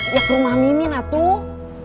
ya ke rumah mimin atuh